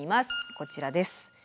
こちらです。